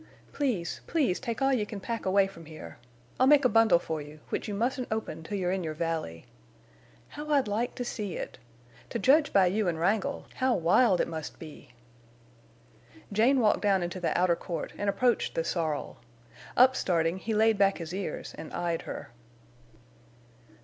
Please—please take all you can pack away from here. I'll make a bundle for you, which you mustn't open till you're in your valley. How I'd like to see it! To judge by you and Wrangle, how wild it must be!" Jane walked down into the outer court and approached the sorrel. Upstarting, he laid back his ears and eyed her.